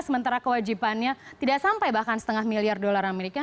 sementara kewajibannya tidak sampai bahkan setengah miliar dolar amerika